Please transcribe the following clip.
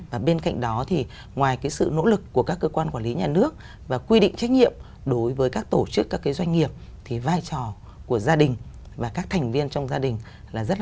và bên cạnh đó thì ngoài cái sự nỗ lực của các cơ quan quản lý nhà nước và quy định trách nhiệm đối với các tổ chức các cái doanh nghiệp thì vai trò của gia đình và các thành viên trong gia đình là rất là lớn